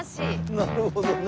なるほどね。